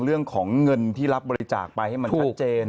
เรื่องของเงินที่รับบริจาคไปให้มันชัดเจน